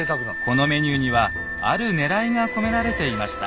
このメニューにはあるねらいが込められていました。